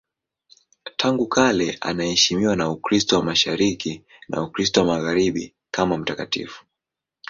Tangu kale anaheshimiwa na Ukristo wa Mashariki na Ukristo wa Magharibi kama mtakatifu.